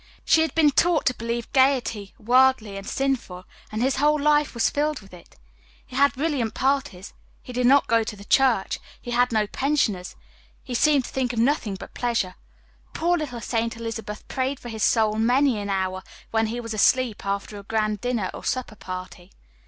She had been taught to believe gayety worldly and sinful, and his whole life was filled with it. He had brilliant parties he did not go to church he had no pensioners he seemed to think of nothing but pleasure. Poor little Saint Elizabeth prayed for his soul many an hour when he was asleep after a grand dinner or supper party.